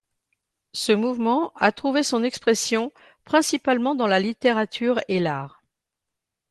Ce mouvement a trouvé son expression principalement dans la littérature et l’art.